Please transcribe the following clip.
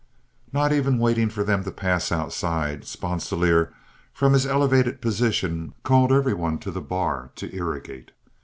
Not even waiting for them to pass outside, Sponsilier, from his elevated position, called every one to the bar to irrigate.